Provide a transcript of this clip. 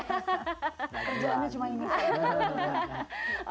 kerjaannya cuma ini